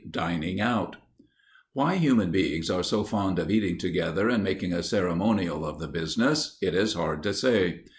*Dining Out* Why human beings are so fond of eating together and making a ceremonial of the business it is hard to say.